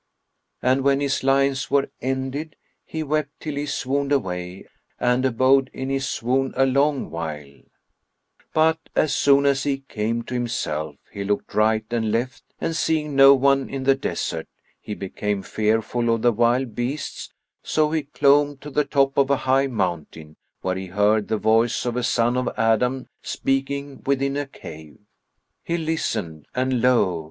And when his lines were ended he wept, till he swooned away, and abode in his swoon a long while; but as soon as he came to himself, he looked right and left and seeing no one in the desert, he became fearful of the wild beasts; so he clomb to the top of a high mountain, where he heard the voice of a son of Adam speaking within a cave. He listened and lo!